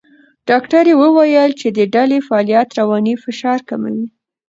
ډاکټره وویل چې د ډلې فعالیت رواني فشار کموي.